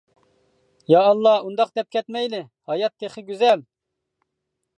يائاللا ئۇنداق دەپ كەتمەيلى ھايات تېخى گۈزەل!